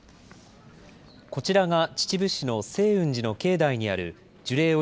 こちらが秩父市の清雲寺の境内にある樹齢